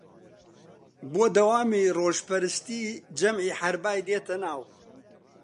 بۆ دەوامی ڕۆژپەرستی جەمعی حەربای دێتە ناو